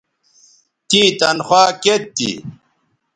تیں تنخوا کیئت تھی